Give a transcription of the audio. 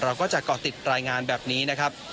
เราก็จะเกาะติดรายงานแบบนี้นะครับ